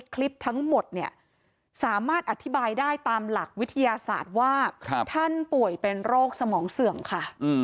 คลิปทั้งหมดเนี่ยสามารถอธิบายได้ตามหลักวิทยาศาสตร์ว่าท่านป่วยเป็นโรคสมองเสื่อมค่ะ